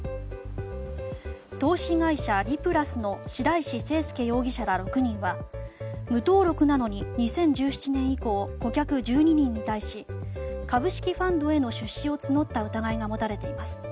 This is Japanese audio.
投資会社リプラスの白石勢輔容疑者ら６人は無登録なのに２０１７年以降顧客１２人に対し株式ファンドへの出資を募った疑いがもたれています。